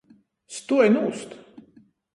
Stuoj nūst!